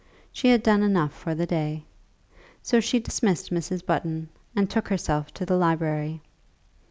She had done enough for the day. So she dismissed Mrs. Button, and took herself to the library.